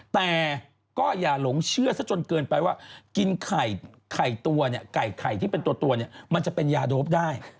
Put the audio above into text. แต่ก็อย่าหลงเชื่อซะจนเกินไปว่ากินไข่ตัวเนี่ยไก่ไข่ที่เป็นตัวเนี่ยมันจะเป็นยาโดปได้